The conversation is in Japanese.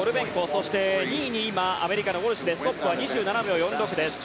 そして２位に今、アメリカのウォルシュでトップは２７秒４６。